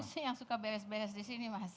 sih yang suka beres beres di sini mas